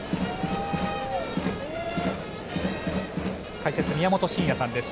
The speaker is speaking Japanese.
解説、宮本慎也さんです。